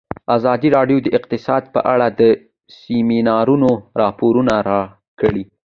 ازادي راډیو د اقتصاد په اړه د سیمینارونو راپورونه ورکړي.